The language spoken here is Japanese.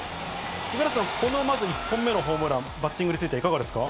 五十嵐さん、これはまず１本目のバッティングについては、いかがですか。